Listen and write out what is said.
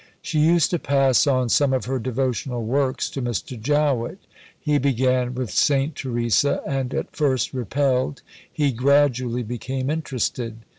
She used to pass on some of her devotional works to Mr. Jowett. He began with St. Teresa, and, at first repelled, he gradually became interested.